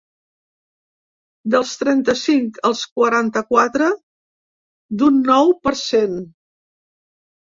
Dels trenta-cinc als quaranta-quatre, d’un nou per cent.